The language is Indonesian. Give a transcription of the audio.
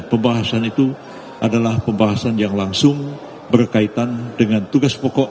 pembahasan itu adalah pembahasan yang langsung berkaitan dengan tugas pokok